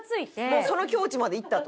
もうその境地までいったと？